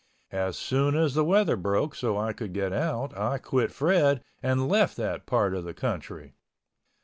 As soon as the weather broke so I could get out I quit Fred and left that part of the country.